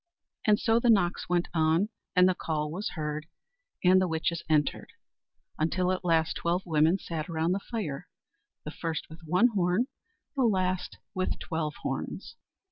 And so the knocks went on, and the call was heard, and the witches entered, until at last twelve women sat round the fire the first with one horn, the last with twelve horns.